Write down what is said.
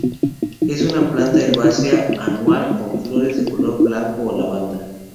Es una planta herbácea anual con flores de color blanco o lavanda.